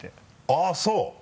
あっそう。